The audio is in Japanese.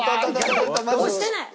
押してない。